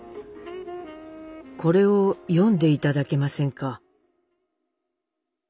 「これを読んで頂けませんか？」。